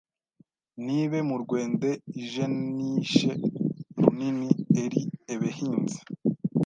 nibe murwende ijenishe rinini eri ebehinzi